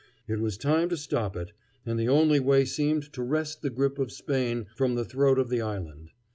It was time to stop it, and the only way seemed to wrest the grip of Spain from the throat of the island.